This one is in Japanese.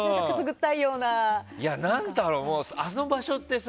何だろう、あの場所ってさ